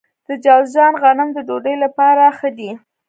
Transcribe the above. د جوزجان غنم د ډوډۍ لپاره ښه دي.